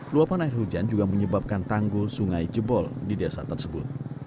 luapan air hujan juga menyebabkan tanggul sungai jebol di desa tersebut